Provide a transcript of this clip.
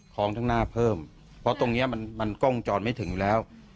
ของข้างหน้าเพิ่มเพราะตรงเนี้ยมันกล้องจรไม่ถึงอยู่แล้ว